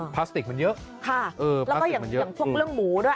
พลาสติกมันเยอะพลาสติกมันเยอะค่ะแล้วก็อย่างพวกเรื่องหมูด้วย